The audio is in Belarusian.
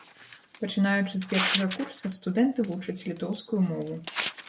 Пачынаючы з першага курса студэнты вучаць літоўскую мову.